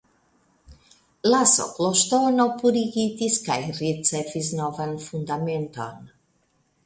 La sokloŝtono purigitis kaj ricevis novan fundamenton.